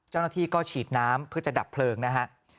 เจ้าหน้าที่ก็ฉีดน้ำเพื่อจะดับเพลิงนะฮะ